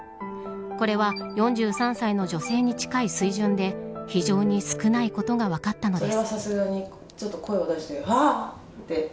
これは、４３歳の女性に近い水準で非常に少ないことが分かったのです。